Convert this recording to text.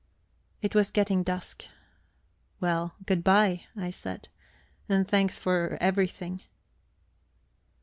It was getting dusk. "Well, good bye," I said. "And thanks for everything."